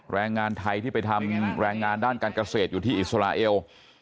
แรงงานไทยที่ไปทำแรงงานด้านการเกษตรอยู่ที่อิสราเอล